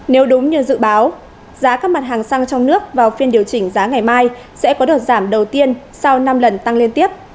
nếu đúng như dự báo giá các mặt hàng xăng trong nước vào phiên điều chỉnh giá ngày mai sẽ có đợt giảm đầu tiên sau năm lần tăng liên tiếp